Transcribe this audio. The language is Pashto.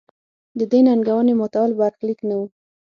د دې ننګونې ماتول برخلیک نه و.